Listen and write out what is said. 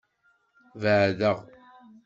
Beɛdeɣ.